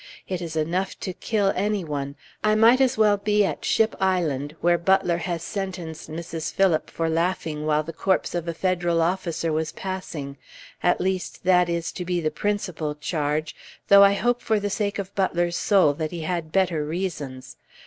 It is enough to kill any one; I might as well be at Ship Island, where Butler has sentenced Mrs. Phillips for laughing while the corpse of a Federal officer was passing at least, that is to be the principal charge, though I hope, for the sake of Butler's soul, that he had better reasons.